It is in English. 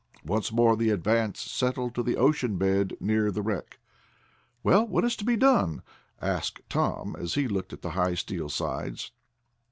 Once more the Advance settled to the ocean bed, near the wreck. "Well, what's to be done?" asked Tom, as he looked at the high steel sides.